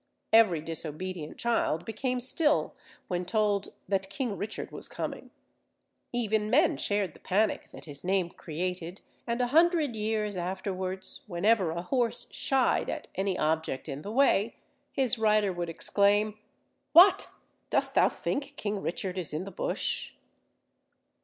Every disobedient child became still when told that King Richard was coming. Even men shared the panic that his name created; and a hundred years afterwards, whenever a horse shied at any object in the way, his rider would exclaim, "What! dost thou think King Richard is in the bush?"